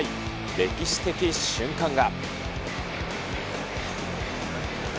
歴史的瞬間が。